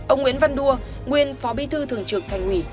ông nguyễn văn đua nguyên phó bí thư thường trực thành ủy